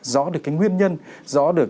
rõ được cái nguyên nhân rõ được